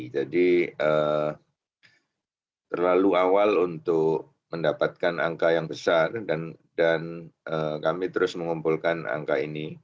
jadi terlalu awal untuk mendapatkan angka yang besar dan kami terus mengumpulkan angka ini